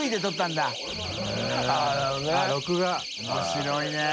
面白いね。